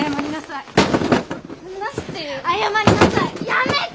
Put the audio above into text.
やめて！